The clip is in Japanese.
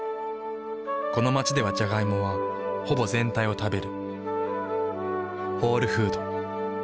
この街ではジャガイモはほぼ全体を食べる。